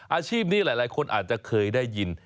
อาชีพนี้หลายคนอาจจะเคยได้ยิน